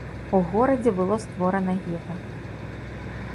У горадзе было створана гета.